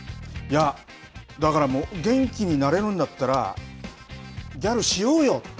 だから元気になれるんだったら、ギャルしようよ！